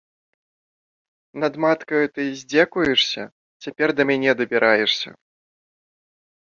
Над маткаю ты здзекуешся, цяпер да мяне дабіраешся!